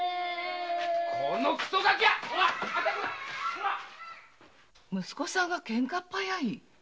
コラ待て息子さんがケンカっ早い？